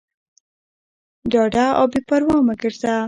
ډاډه او بېپروا مه ګرځه.